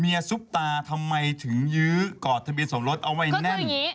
ซุปตาทำไมถึงยื้อกอดทะเบียนสมรสเอาไว้แน่น